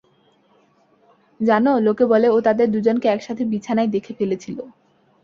জানো, লোকে বলে ও তাদের দুজনকে একসাথে বিছানায় দেখে ফেলেছিল।